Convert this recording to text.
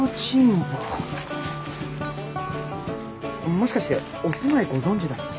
もしかしてお住まいご存じだったり。